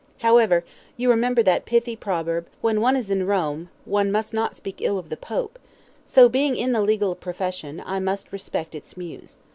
However, you remember that pithy proverb, 'When one is in Rome, one must not speak ill of the Pope,' so being in the legal profession, I must respect its muse.